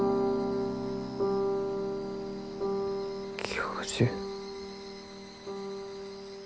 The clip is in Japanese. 教授？